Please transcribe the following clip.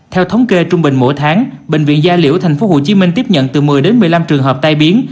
theo thống kê trung bình mỗi tháng bệnh viện gia liễu tp hcm tiếp nhận từ một mươi đến một mươi năm trường hợp tai biến